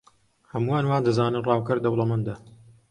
هەمووان وا دەزانن ڕاوکەر دەوڵەمەندە.